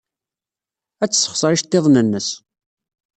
Ad tessexṣer iceḍḍiḍen-nnes.